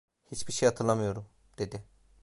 Hiçbir şey hatırlamıyorum!' dedi.